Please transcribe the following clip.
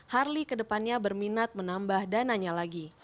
harley ke depannya berminat menambah dananya lagi